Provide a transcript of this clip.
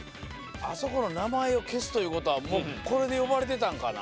あそこの名前を消すということはこれで呼ばれてたんかな。